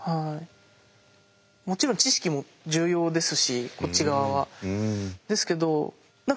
もちろん知識も重要ですしこっち側は。